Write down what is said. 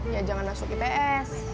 ya jangan masuk ips